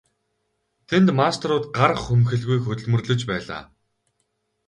Тэнд мастерууд гар хумхилгүй хөдөлмөрлөж байлаа.